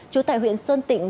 chú tại huyện sơn tịnh